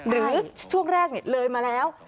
หรือช่วงแรกเลยมาแล้ว